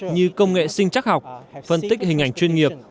như công nghệ sinh chắc học phân tích hình ảnh chuyên nghiệp